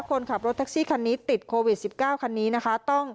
คนขับรถแท็กซี่คันนี้ติดโควิด๑๙คันนี้นะคะ